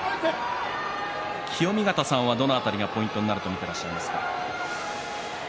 清見潟さんはどの辺りがポイントになると見ていらっしゃいますか。